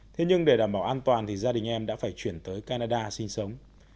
thế nhưng để đảm bảo an toàn thì gia đình em đã phải chuyển tới canada sinh sống